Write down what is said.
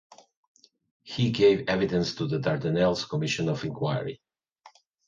He gave evidence to the Dardanelles Commission of Enquiry.